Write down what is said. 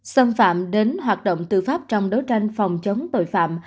xâm phạm đến hoạt động tư pháp trong đấu tranh phòng chống tội phạm